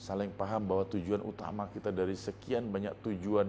dan saling paham bahwa tujuan utama kita dari sekian banyak tujuan